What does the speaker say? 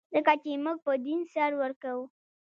ځکه چې موږ په دین سر ورکوو.